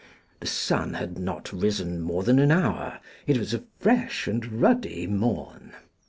The sun had not risen more than an hour; it was a fresh and ruddy morn.